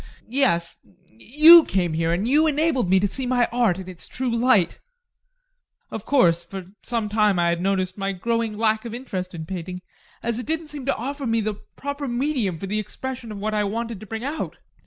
Yes, you came here, and you enabled me to see my art in its true light. Of course, for some time I had noticed my growing lack of interest in painting, as it didn't seem to offer me the proper medium for the expression of what I wanted to bring out.